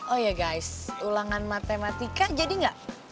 oh ya guys ulangan matematika jadi nggak